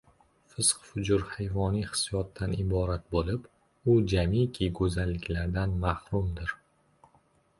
Fisq-fujur hayvoniy hissiyotdan iborat bo‘lib, u jamiki go‘zalliklardan mahrumdir.